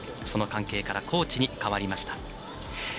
その関係からコーチに変わりました。